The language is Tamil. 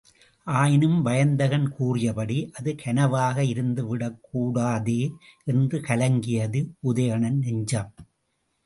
ஆயினும் வயந்தகன் கூறியபடி அது கனவாக இருந்து விடக்கூடாதே! என்று கலங்கியது உதயணன் நெஞ்சம்.